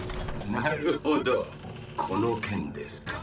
なるほどこの剣ですか。